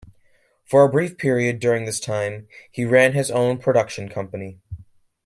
For a brief period during this time, he ran his own production company.